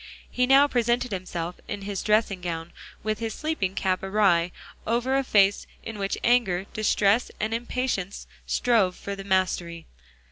He now presented himself in his dressing gown, with his sleeping cap awry, over a face in which anger, distress and impatience strove for the mastery.